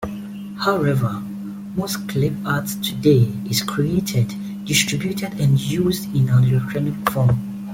However, most clip art today is created, distributed, and used in an electronic form.